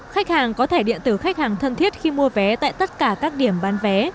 khách hàng có thẻ điện tử khách hàng thân thiết khi mua vé tại tất cả các điểm bán vé